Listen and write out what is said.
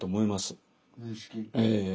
ええ。